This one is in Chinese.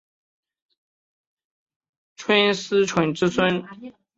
斛斯椿之孙。